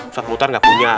satu putar gak punya